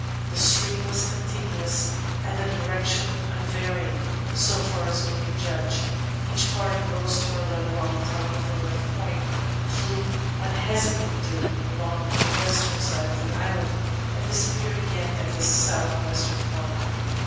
The stream was continuous and the direction unvarying, so far as we could judge. Each party rose to our level on the top of the north point, flew unhesitatingly along the western side of the island, and disappeared again at the south western corner.